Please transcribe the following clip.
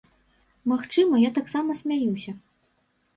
Магчыма, я таксама смяюся.